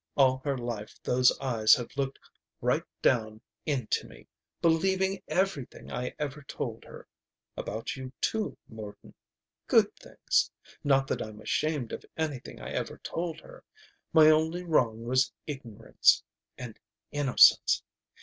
All her life those eyes have looked right down into me, believing everything I ever told her. About you too, Morton. Good things. Not that I'm ashamed of anything I ever told her. My only wrong was ignorance. And innocence.